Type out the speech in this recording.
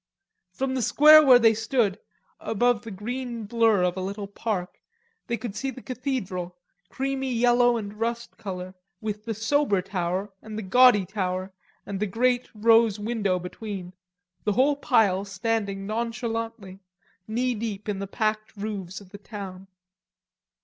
From the square where they stood, above the green blur of a little park, they could see the cathedral, creamy yellow and rust color, with the sober tower and the gaudy tower, and the great rose window between, the whole pile standing nonchalantly, knee deep in the packed roofs of the town.